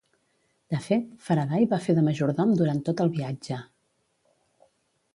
De fet, Faraday va fer de majordom durant tot el viatge.